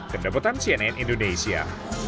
dendebutan cnn indonesia